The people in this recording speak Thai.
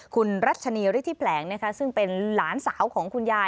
คุณรัชนีฤทธิแผลงนะคะซึ่งเป็นหลานสาวของคุณยาย